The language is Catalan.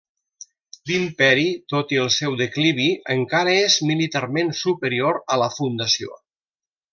L'Imperi, tot i el seu declivi, encara és militarment superior a la Fundació.